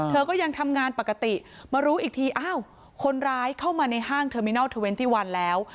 เธอก็ยังทำงานปกติมารู้อีกทีอ้าวคนร้ายเข้ามาในห้างเทอร์มินอลเทอร์เวนตี้วันแล้ว